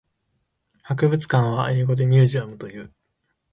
博物館は英語でミュージアムという。